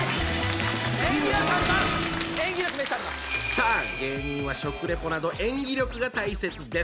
さあ芸人は食レポなど演技力が大切です。